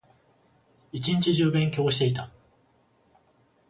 一日中勉強していた